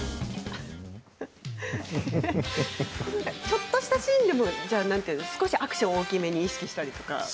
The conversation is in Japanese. ちょっとしたシーンでも少しアクションを大きめに意識したりとか？